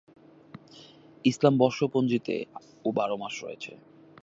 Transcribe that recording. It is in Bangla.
ইসলামি বর্ষপঞ্জিতে ও বারো মাস রয়েছে।